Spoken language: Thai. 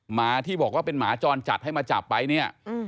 หมาที่บอกว่าเป็นหมาจรจัดให้มาจับไปเนี่ย